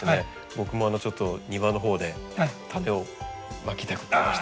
僕もちょっと庭のほうで種をまきたくなりました。